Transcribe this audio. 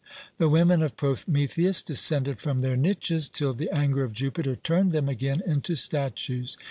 The women of Prometheus descended from their niches, till the anger of Jupiter turned them again into statues.